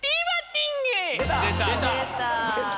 出た。